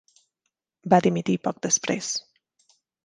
Va dimitir poc després.